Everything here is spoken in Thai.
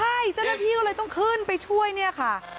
ใช่เจ้าหน้าที่ก็เลยต้องขึ้นไปช่วยเนี่ยค่ะ